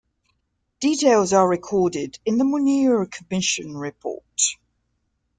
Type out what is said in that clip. Details are recorded in the Munir Commission Report.